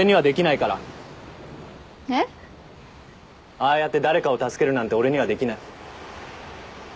ああやって誰かを助けるなんて俺にはできない。